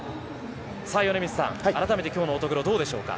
米満さん、改めて今日の乙黒どうでしょうか？